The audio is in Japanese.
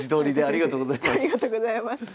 ありがとうございます。